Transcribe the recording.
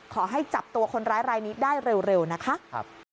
ขอให้จับตัวคนร้ายรายนี้ได้เร็วนะคะ